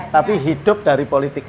tapi hidup dari politik